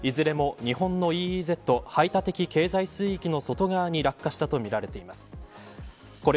いずれも日本のＥＥＺ排他的経済水域の外側に落下したとみられています。